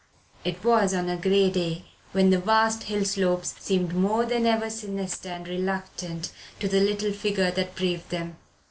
It was on a grey day, when the vast hill slopes seemed more than ever sinister and reluctant to the little figure that braved them.